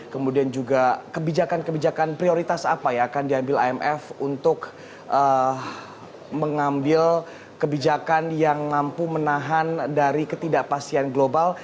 kemudian juga kebijakan kebijakan prioritas apa yang akan diambil imf untuk mengambil kebijakan yang mampu menahan dari ketidakpastian global